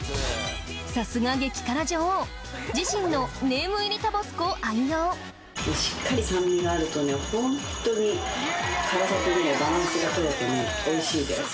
さすが激辛女王自身のネーム入りタバスコを愛用しっかり酸味があるとねほんとに辛さとねバランスが取れてねおいしいです。